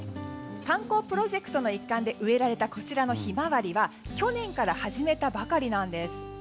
観光プロジェクトの一環で植えられたこちらのヒマワリは去年から始めたばかりなんです。